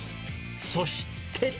そして。